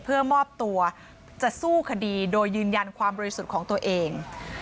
เพื่อมอบตัวจะสู้คดีโดยยืนยันความบริสุทธิ์ของตัวเอง